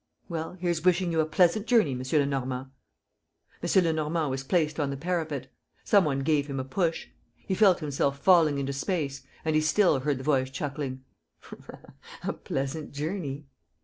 Well, here's wishing you a pleasant journey, M. Lenormand!" M. Lenormand was placed on the parapet. Someone gave him a push. He felt himself falling into space and he still heard the voice chuckling: "A pleasant journey!"